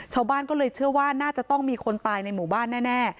ชาวบ้านก็เลยเชื่อว่าน่าจะต้องมีคนตายในหมู่บ้านแน่